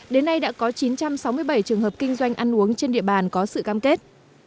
đến nay đã có chín trăm sáu mươi bảy trường hợp kinh doanh ăn uống trên địa bàn có sự cam kết